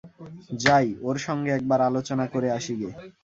যাই, ওঁর সঙ্গে একবার আলোচনা করে আসিগে।